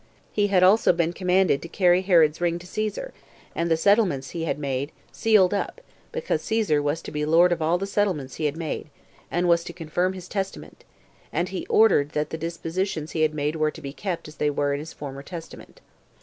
He had also been commanded to carry Herod's ring to Caesar, and the settlements he had made, sealed up, because Caesar was to be lord of all the settlements he had made, and was to confirm his testament; and he ordered that the dispositions he had made were to be kept as they were in his former testament.